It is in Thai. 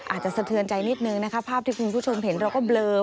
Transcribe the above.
สะเทือนใจนิดนึงนะคะภาพที่คุณผู้ชมเห็นเราก็เบลอ